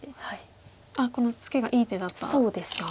このツケがいい手だったんですか。